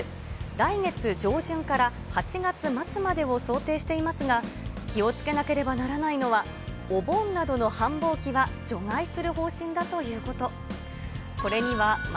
来月上旬から８月末までを想定していますが、気をつけなければならないのは、お盆などの繁忙期は除外する方針だということ。